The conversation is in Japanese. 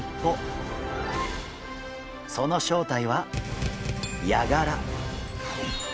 その正体はヤガラ。